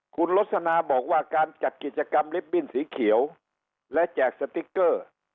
คุณลสนาบอกว่าการจัดกิจกรรมลิฟตบิ้นสีเขียวและแจกสติ๊กเกอร์